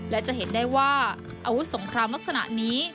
และจะเห็นได้ว่าอาวุธสงครามลักษณะนี้